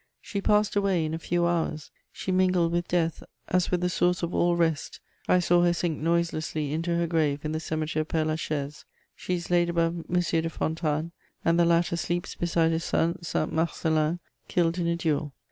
She passed away in a few hours; she mingled with death as with the source of all rest I saw her sink noiselessly into her grave in the Cemetery of Père Lachaise; she is laid above M. de Fontanes, and the latter sleeps beside his son Saint Marcellin, killed in a duel.